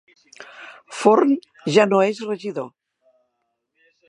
Forn ja no és regidor